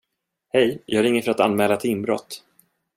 Hej, jag ringer för att anmäla ett inbrott.